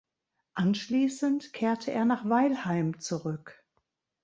Anschließend kehrte er nach Weilheim zurück.